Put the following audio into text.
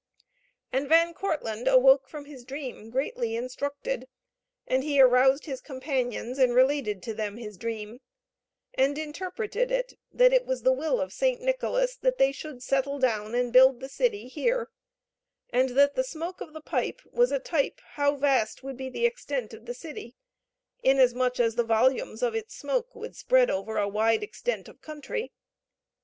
And Van Kortlandt awoke from his sleep greatly instructed, and he aroused his companions, and related to them his dream, and interpreted it that it was the will of St. Nicholas that they should settle down and build the city here; and that the smoke of the pipe was a type how vast would be the extent of the city, inasmuch as the volumes of its smoke would spread over a wide extent of country.